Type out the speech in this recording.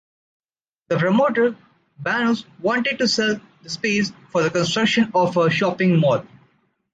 The promoter Banús wanted to sell that space for the construction of a shopping mall.